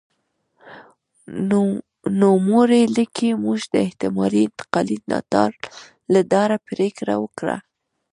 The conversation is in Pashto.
نوموړی لیکي موږ د احتمالي انتقالي ناتار له ډاره پرېکړه وکړه.